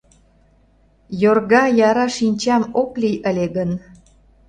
Йорга яра шинчам ок лий ыле гын